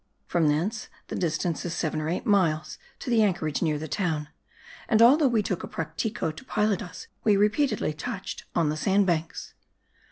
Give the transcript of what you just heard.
From thence the distance is seven or eight miles to the anchorage near the town; and although we took a practico to pilot us, we repeatedly touched on the sandbanks.